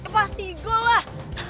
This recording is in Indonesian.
pasti goal lah